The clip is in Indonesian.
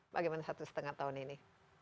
bagaimana satu setengah tahun ini